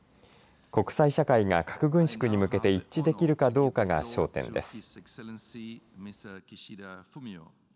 国際社会が核軍縮に向けて一致できるかどうかが焦点です。